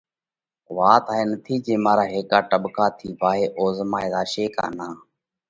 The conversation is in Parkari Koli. وات هائي نٿِي جي مارا هيڪا ٽٻڪا ٿِي ڀاهي اوزهماشي ڪا نان۔